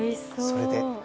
それで。